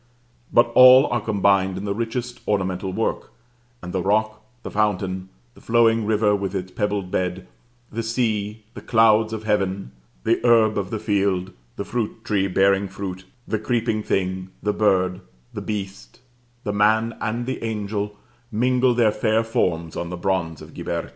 But all are combined in the richest ornamental work; and the rock, the fountain, the flowing river with its pebbled bed, the sea, the clouds of Heaven, the herb of the field, the fruit tree bearing fruit, the creeping thing, the bird, the beast, the man, and the angel, mingle their fair forms on the bronze of Ghiberti.